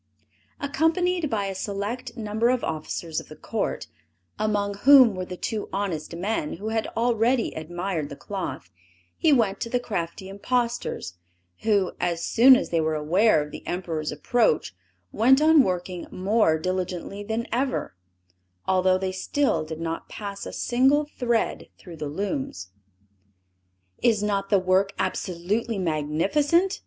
Accompanied by a select number of officers of the court, among whom were the two honest men who had already admired the cloth, he went to the crafty impostors, who, as soon as they were aware of the Emperor's approach, went on working more diligently than ever; although they still did not pass a single thread through the looms. "Is not the work absolutely magnificent?"